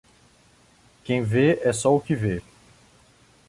Quem vê é só o que vê